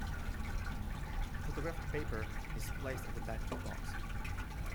Photographic paper is placed at the back of the box.